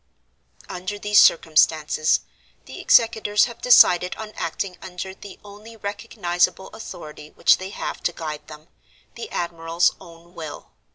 "Under these circumstances, the executors have decided on acting under the only recognizable authority which they have to guide them—the admiral's own will.